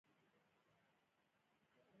آیا مقالې خپریږي؟